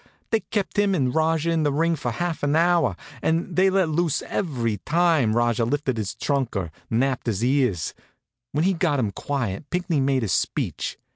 They kept him and Rajah in the ring for half an hour, and they let loose every time Rajah lifted his trunk or napped his ears. When he got 'em quiet Pinckney made a speech.